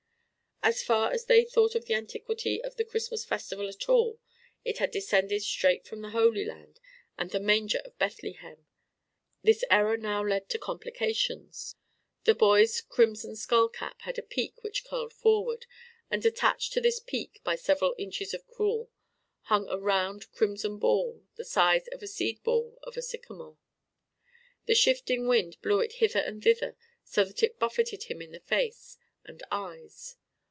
As far as they thought of the antiquity of the Christmas festival at all, it had descended straight from the Holy Land and the Manger of Bethlehem; this error now led to complications. The boy's crimson skull cap had a peak which curled forward; and attached to this peak by several inches of crewel hung a round crimson ball about the size of the seed ball of a sycamore. The shifting wind blew it hither and thither so that it buffeted him in the face and eyes.